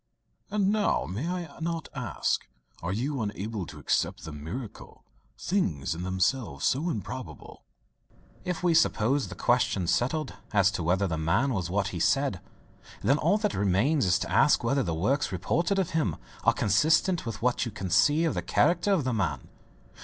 "And now, may I not ask are you able to accept the miracles, things in themselves so improbable?" "If we suppose the question settled as to whether the man was what he said, then all that remains is to ask whether the works reported of him are consistent with what you can see of the character of the man."